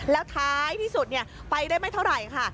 แล้วท้ายที่สุดไปได้ไม่เท่าไหร่ค่ะ